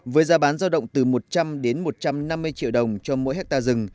với giá bán giao động từ một trăm linh đến một trăm năm mươi triệu đồng cho mỗi hectare rừng